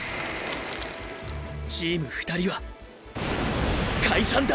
「チーム２人」は解散だ！！